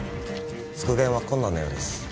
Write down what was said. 復元は困難なようです